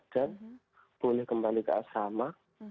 dan kembali ke asrama